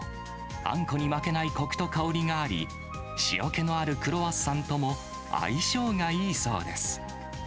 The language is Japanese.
あんこに負けないこくと香りがあり、塩気のあるクロワッサンとも相性がいいそうです。